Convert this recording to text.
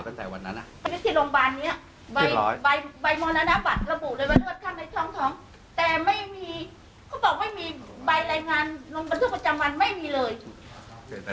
เดินไปไม่ได้ไม่ต้องมาเถียงกันดีกว่า